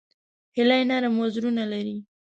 هیلۍ نرم وزرونه لري